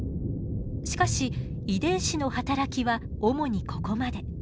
しかし遺伝子の働きは主にここまで。